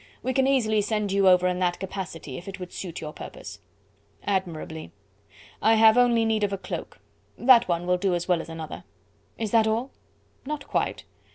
We can easily send you over in that capacity if it would suit your purpose." "Admirably. I have only need of a cloak. That one will do as well as another." "Is that all?" "Not quite.